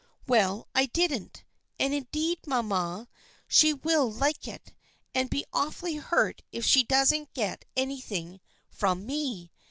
" Well, I didn't, and indeed, mamma, she will like it, and be awfully hurt if she doesn't get anything from me.